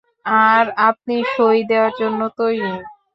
আর আপনি সই দেওয়ার জন্য তৈরি।